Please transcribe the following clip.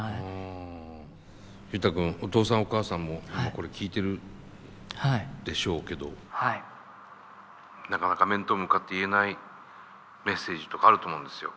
ユウタ君お父さんお母さんも今これ聴いてるでしょうけどなかなか面と向かって言えないメッセージとかあると思うんですよ。